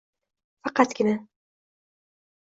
Faqatgina…